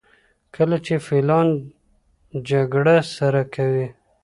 کله چې فیلان جګړه سره کوي.